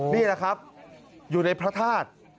นี่แหละครับอยู่ในพระธาตุ